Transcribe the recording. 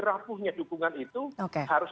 rapuhnya dukungan itu harus